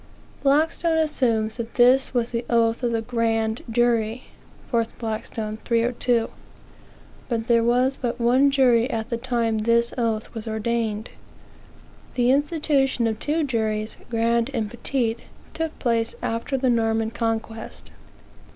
Blackstone assumes that this was the oath of the grand jury 4 Blackstone, 302); but there was but one jury at the time this oath was ordained. The institution of two juries, grand and petit, took place after the Norman Conquest.